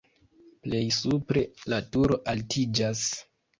Plej supre la turo altiĝas.